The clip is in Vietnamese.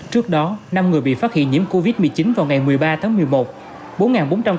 trước đó năm người bị phát hiện nhiễm covid một mươi chín vào ngày một mươi ba tháng một mươi một